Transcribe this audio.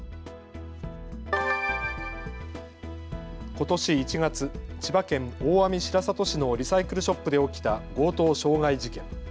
ことし１月、千葉県大網白里市のリサイクルショップで起きた強盗傷害事件。